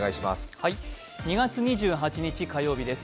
２月２８日、火曜日です。